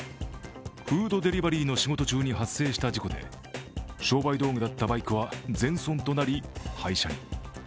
フードデリバリーの仕事中に発生した事故で商売道具だったバイクは全損となり廃車に。